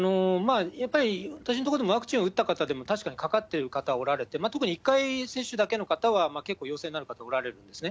やっぱり私のところでもワクチンを打った方でも、確かにかかってる方はおられて、特に１回接種だけの方は、結構、陽性になる方いらっしゃるんですね。